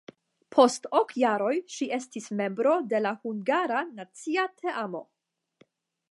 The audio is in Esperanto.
Post ok jaroj ŝi estis membro de la hungara nacia teamo.